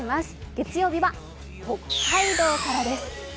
月曜日は北海道からです